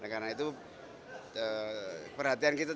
karena itu perhatian kita tidak